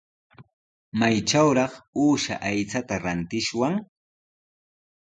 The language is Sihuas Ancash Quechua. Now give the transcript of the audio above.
¿Maytrawraq uusha aychata rantishwan?